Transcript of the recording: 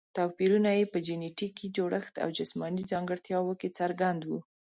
توپیرونه یې په جینټیکي جوړښت او جسماني ځانګړتیاوو کې څرګند وو.